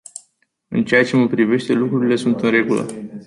În ceea ce mă privește, lucrurile sunt în regulă.